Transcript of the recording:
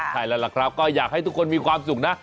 ใช่แล้วล่ะครับก็อยากให้ทุกคนมีความสุขนะ